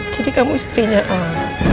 jadi kamu istrinya al